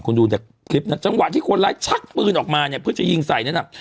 คุณดูตากลิปนั้นสะที่คนหลายชักปืนออกมาเนี่ยเพื่อจะยิ้งใส่เนี่ยน่ะ